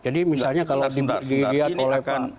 jadi misalnya kalau dilihat oleh pak